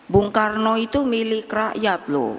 bung karno itu milik rakyat loh